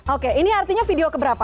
oke ini artinya video keberapa